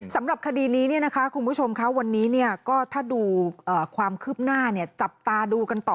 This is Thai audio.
สำหรับคดีนี้คุณผู้ชมค่ะวันนี้ก็ถ้าดูความคืบหน้าจับตาดูกันต่อ